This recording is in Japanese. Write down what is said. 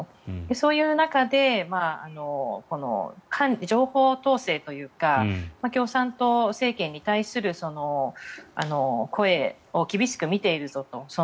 そういう中で情報統制というか共産党政権に対する声を厳しく見ているぞと。